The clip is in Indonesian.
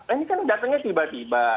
ini kan datangnya tiba tiba